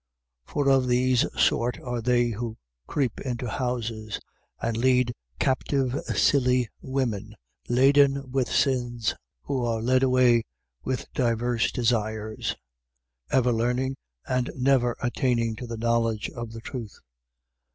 3:6. For of these sort are they who creep into houses and lead captive silly women laden with sins, who are led away with divers desires: 3:7. Ever learning, and never attaining to the knowledge of the truth.